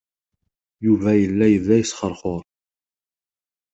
Yuba yella yebda yesxeṛxuṛ.